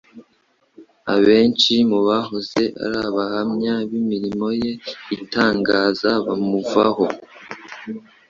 abenshi mu bahoze ari abahamya b'imirimo ye itangaza bamuvaho,